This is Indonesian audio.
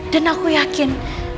dan aku yakin